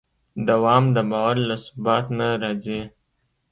دوام د باور له ثبات نه راځي.